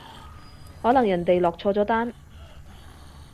可能人哋落錯咗單